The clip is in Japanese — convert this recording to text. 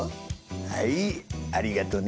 はいありがとね。